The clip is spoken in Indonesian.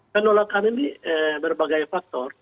penolakan ini berbagai faktor